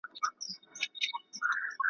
په ګاونډ کي توتکۍ ورته ویله .